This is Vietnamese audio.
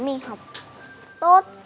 mình học tốt